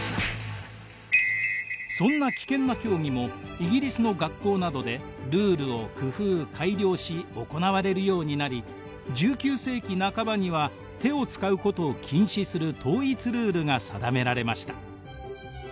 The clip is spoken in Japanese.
そんな危険な競技もイギリスの学校などでルールを工夫改良し行われるようになり１９世紀半ばには手を使うことを禁止する統一ルールが定められました。